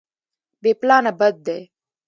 بې پلانه بد دی.